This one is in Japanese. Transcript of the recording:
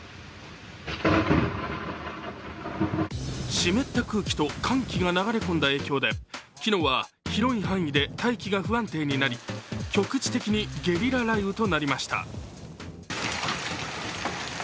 湿った空気と寒気が流れ込んだ影響で、昨日は広い範囲で待機が不安定になり局地的にゲリラ雷雨となりました。